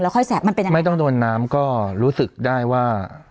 ค่อยแสบมันเป็นยังไงไม่ต้องโดนน้ำก็รู้สึกได้ว่า